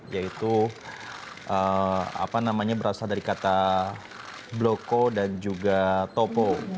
yaitu berasal dari kata bloko dan juga topo